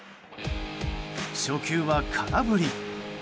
初球は空振り！